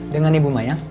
dengan ibu mayang